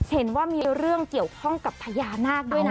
เห็นว่ามีเรื่องเกี่ยวข้องกับพญานาคด้วยนะ